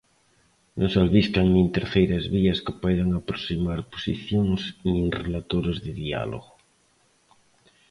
Non se albiscan nin terceiras vías que poidan aproximar posicións nin relatores de diálogo.